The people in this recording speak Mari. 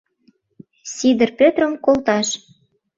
Сидыр Петрым колташ!